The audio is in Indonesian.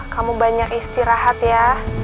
kamu banyak istirahat ya